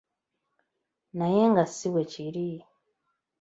Naye nga si bwe kiri.